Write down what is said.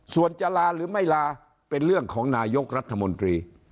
ส่วนจะลาหรือไม่ลาเป็นเรื่องของนายกรัฐมนตรี